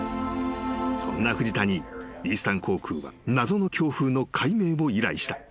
［そんな藤田にイースタン航空は謎の強風の解明を依頼した］